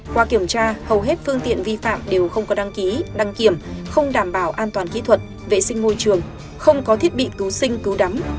qua kiểm tra hầu hết phương tiện vi phạm đều không có đăng ký đăng kiểm không đảm bảo an toàn kỹ thuật vệ sinh môi trường không có thiết bị cứu sinh cứu đắm